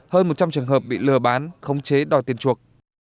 hơn một trăm linh trường hợp bị lừa bán khống chế đòi tiền chuộc